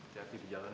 terima kasih bidjalan